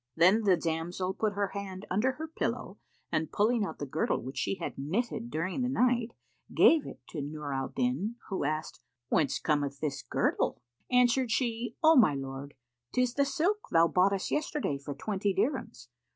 Then the damsel put her hand under her pillow and pulling out the girdle which she had knitted during the night, gave it to Nur al Din, who asked, "Whence cometh this girdle?"[FN#485] Answered she, "O my lord, 'tis the silk thou boughtest yesterday for twenty dirhams.